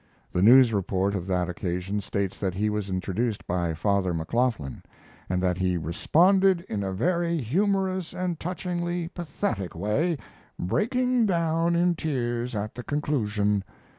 The news report of that occasion states that he was introduced by Father McLoughlin, and that he "responded in a very humorous and touchingly pathetic way, breaking down in tears at the conclusion.